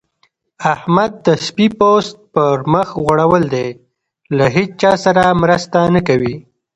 احمد د سپي پوست پر مخ غوړول دی؛ له هيچا سره مرسته نه کوي.